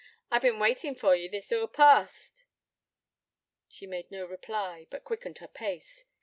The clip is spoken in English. I've bin waitin' for ye, this hoor past.' She made no reply, but quickened her pace.